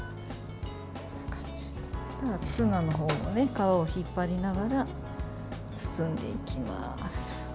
ツナのほうも皮を引っ張りながら包んでいきます。